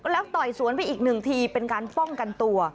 แล้วต่อยสวนไปอีกหนึ่งทีเป็นการป้องกันตัว